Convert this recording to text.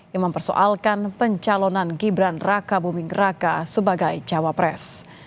yang mempersoalkan pencalonan gibran raka buming raka sebagai cawapres